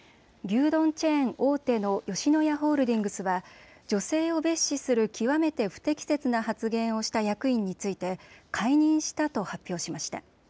牛丼チェーン大手の吉野家ホールディングスは女性を蔑視する極めて不適切な発言をした役員について解任したと発表しました。